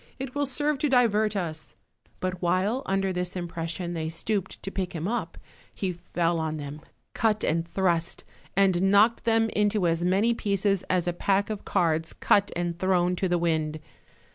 it will serve to divert us;" but while, 214 OLD, OLD FAIRY TALES. under this impression, they stooped to pick him up, he fell on them, cut and thrust, and knocked them into as many pieces as a pack of cards cut and thrown to the wind.